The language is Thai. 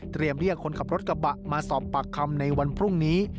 เรียกคนขับรถกระบะมาสอบปากคำในวันพรุ่งนี้